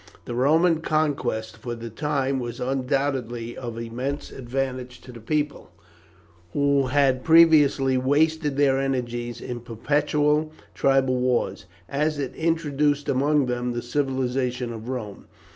The Roman conquest for the time was undoubtedly of immense advantage to the people who had previously wasted their energies in perpetual tribal wars as it introduced among them the civilization of Rome.